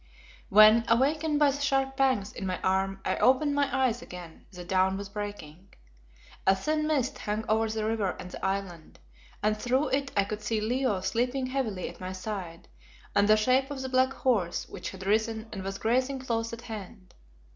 When, awakened by the sharp pangs in my arm, I opened my eyes again, the dawn was breaking. A thin mist hung over the river and the island, and through it I could see Leo sleeping heavily at my side and the shape of the black horse, which had risen and was grazing close at hand.